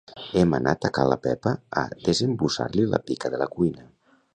Hem anat a ca la Pepa a desembussar-li la pica de la cuina